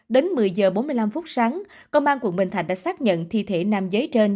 đến một mươi h bốn mươi năm phút sáng công an quận bình thạnh đã xác nhận thi thể nam giới trên